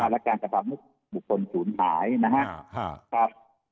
และการกระทำให้บุคคลศูนย์หายนะครับ